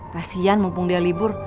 kasihan mumpung dia libur